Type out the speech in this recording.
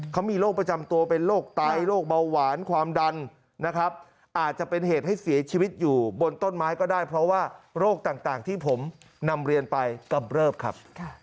เขามีโรคประจำตัวเป็นโรคไตโรคเบาหวานความดันนะครับ